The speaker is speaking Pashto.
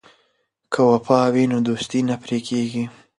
که وفا وي نو دوستي نه پرې کیږي.